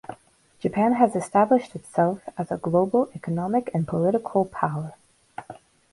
Japan has established itself as a global economic and political power.